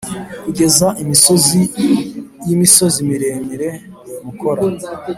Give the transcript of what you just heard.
kugeza imisozi yimisozi miremire mukora: